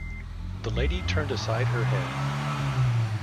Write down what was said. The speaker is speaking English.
The lady turned aside her head.